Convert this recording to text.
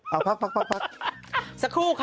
เอาพักพัก